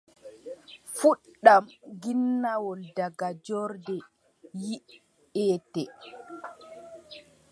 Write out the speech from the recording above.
Fuɗɗam ginnawol, daga joorde yiʼété.